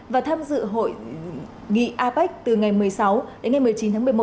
và tham dự hội nghị apec từ ngày một mươi sáu đến ngày một mươi chín tháng một mươi một năm hai nghìn hai mươi hai